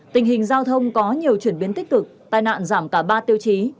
tình hình giao thông có nhiều chuyển biến tích cực tai nạn giảm cả ba tiêu chí